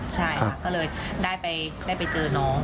ใช่ค่ะก็เลยได้ไปเจอน้อง